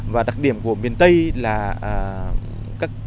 và đặc điểm của miền tây là các